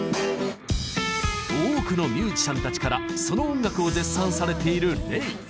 多くのミュージシャンたちからその音楽を絶賛されているＲｅｉ。